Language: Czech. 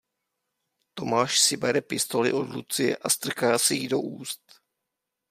Tomáš si bere pistoli od Lucie a strká si ji do úst.